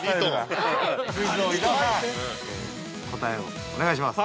◆答えをお願いします。